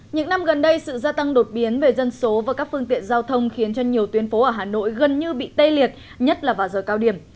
những năm gần đây sự gia tăng đột biến về dân số và các phương tiện giao thông khiến cho nhiều tuyến phố ở hà nội gần như bị tê liệt nhất là vào giờ cao điểm